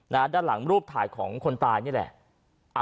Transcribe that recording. ด้านหลังรูปถ่ายของคนตายนี่แหละ